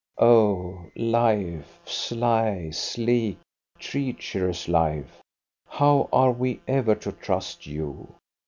Oh, life, sly, sleek, treacherous life, how are we ever to trust you?